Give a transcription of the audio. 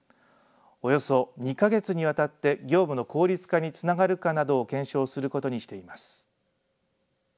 およそ２か月にわたって業務の効率化につながるかなどを検証することにしています。